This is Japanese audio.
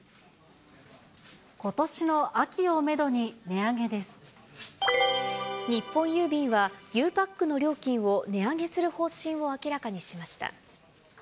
ことしの秋をメドに値上げで日本郵便は、ゆうパックの料金を値上げする方針を明らかにしました。